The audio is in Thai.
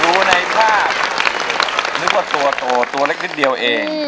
ดูในภาพนึกว่าตัวโตตัวเล็กนิดเดียวเอง